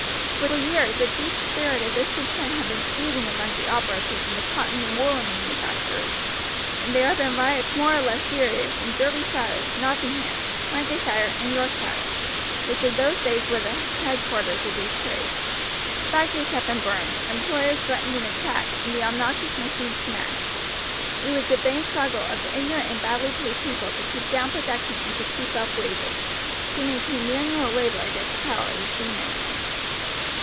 For years a deep spirit of discontent had been seething among the operatives in the cotton and woolen manufactures, and there had been riots more or less serious in Derbyshire, Nottingham, Lancashire and Yorkshire, which in those days were the headquarters of these trades. Factories had been burned, employers threatened and attacked, and the obnoxious machines smashed. It was the vain struggle of the ignorant and badly paid people to keep down production and to keep up wages, to maintain manual labor against the power of the steam engine.